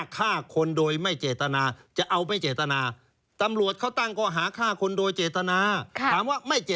คุมไว้เสร็จไปซื้อเรื่อยซื้อ